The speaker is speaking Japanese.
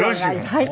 はい。